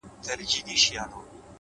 انسان د خپل کردار استازی دی؛